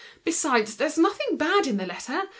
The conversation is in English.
"Besides, there's nothing bad in the letter.